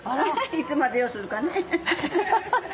いつまでようするかね。